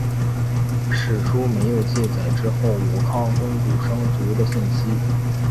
史书没有记载之后武康公主生卒的信息。